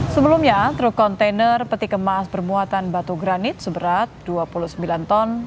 sebelumnya truk kontainer peti kemas bermuatan batu granit seberat dua puluh sembilan ton